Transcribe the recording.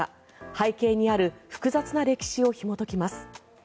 背景にある複雑な歴史をひもときます。